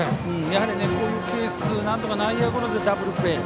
やはりこういうケースなんとか内野ゴロでダブルプレー。